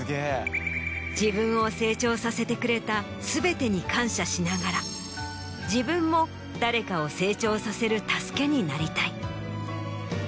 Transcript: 自分を成長させてくれた全てに感謝しながら自分も誰かを成長させる助けになりたい。